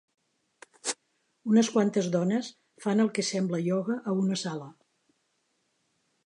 Unes quantes dones fan el que sembla ioga a una sala.